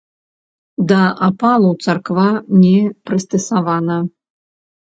Да апалу царква не прыстасавана.